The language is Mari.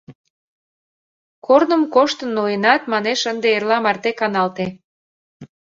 Корным коштын ноенат, манеш, ынде эрла марте каналте.